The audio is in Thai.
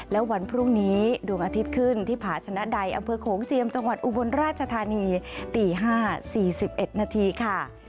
และวันพรุ่งนี้ดวงอาทิตย์ขึ้นที่ผาชนะใดอำเภอโขงเจียมจังหวัดอุบลราชธานีตี๕๔๑นาทีค่ะ